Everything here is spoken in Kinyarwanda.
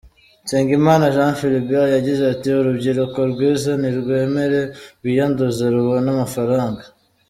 Nsengimana Jean Philibert yagize ati " Urubyiruko rwize nirwemere rwiyanduze rubone amafaranga.